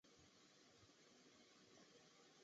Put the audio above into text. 两侧都是古老的带有拱廊的店铺和老建筑。